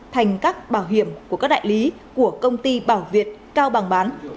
thành các bảo hiểm của các đại lý của công ty bảo việt cao bằng bán